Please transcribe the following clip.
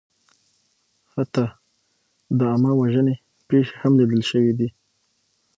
حتی د عامهوژنې پېښې هم لیدل شوې دي.